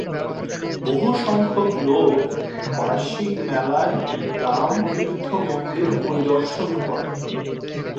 বহুসংখ্যক লোক বার্ষিক মেলায় রামতীর্থ মন্দির পরিদর্শন করে।